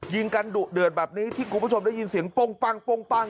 ยิงกันดุเดือนแบบนี้ที่คุณผู้ชมได้ยินเสียงป้องปั้งป้องปั้ง